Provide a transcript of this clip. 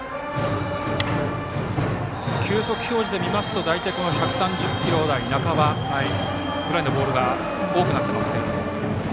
球速表示で見ますと大体１３０キロ台半ばぐらいのボールが多くなっていますけれども。